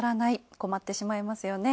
困ってしまいますよね。